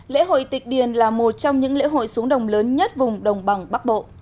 lễ hội tịch điền là một trong những lễ hội xuống đồng lớn nhất vùng đồng bằng bắc bộ